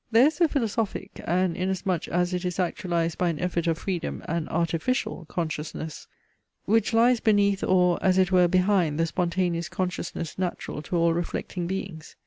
There is a philosophic (and inasmuch as it is actualized by an effort of freedom, an artificial) consciousness, which lies beneath or (as it were) behind the spontaneous consciousness natural to all reflecting beings.